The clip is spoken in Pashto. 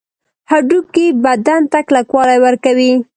هډوکي بدن ته کلکوالی ورکوي